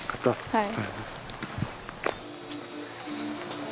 はい。